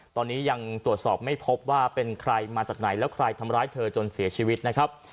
ตอนนี้ยังตรวจสอบไม่พบว่าเป็นใครมาจากไหนแล้วใครทำร้ายเธอจนเสียชีวิตนะครับ